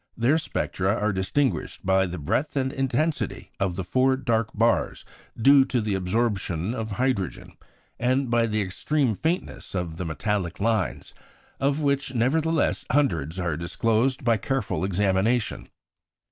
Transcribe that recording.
Their spectra are distinguished by the breadth and intensity of the four dark bars due to the absorption of hydrogen, and by the extreme faintness of the metallic lines, of which, nevertheless, hundreds are disclosed by careful examination.